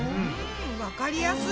わかりやすい！